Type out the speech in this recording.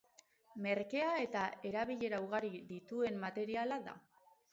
Merkea eta erabilera ugari dituen materiala da.